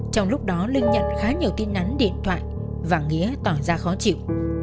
trong lúc đó linh nhận khá nhiều tin nắn điện thoại và nghĩa tỏa ra khó chịu